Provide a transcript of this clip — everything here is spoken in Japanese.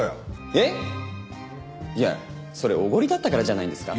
いやそれおごりだったからじゃないんですか？